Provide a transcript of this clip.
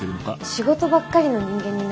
仕事ばっかりの人間になりたくない。